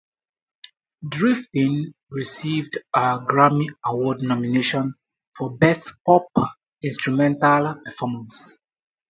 "Drifting" received a Grammy Award nomination for Best Pop Instrumental Performance.